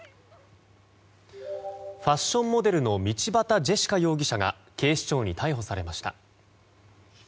ファッションモデルの道端ジェシカ容疑者が警視庁に逮捕されました。